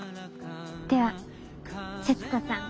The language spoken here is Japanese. では節子さん